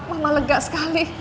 mama lega sekali